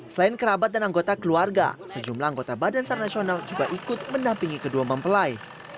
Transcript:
selain kerabat dan anggota keluarga sejumlah anggota badan sar nasional juga ikut mendampingi kedua mempelai